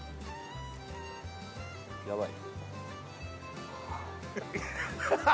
やばい？